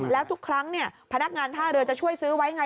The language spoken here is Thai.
แล้วทุกครั้งพนักงานท่าเรือจะช่วยซื้อไว้ไง